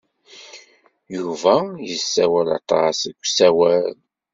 Yuba yessawal aṭas deg usawal.